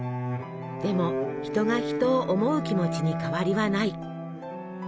でも「人が人を思う気持ち」に変わりはない。